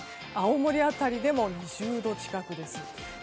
青森辺りでも２０度近くです。